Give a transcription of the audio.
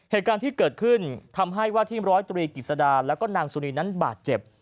เหตุการณ์ที่เกิดขึ้นทำให้ที่รอยตรีกิจสาดาและนางซุนีบาดเจ็บ